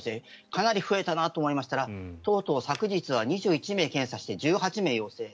かなり増えたなと思いましたらとうとう昨日は２１名検査して１８名陽性。